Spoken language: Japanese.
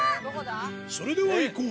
それではいこう！